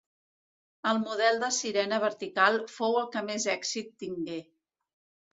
El model de sirena vertical fou el que més èxit tingué.